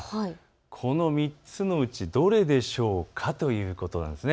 この３つのうちどれでしょうかということです。